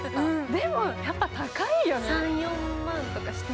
でも、やっぱ高いよね。